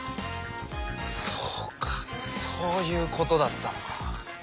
そうかそういうことだったのか。